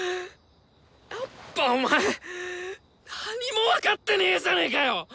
やっぱお前何も分かってねえじゃねかよ！